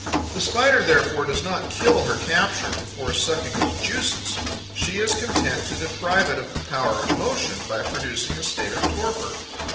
The Spider, therefore, does not kill her capture before sucking its juices; she is content to deprive it of the power of motion by producing a state of torpor.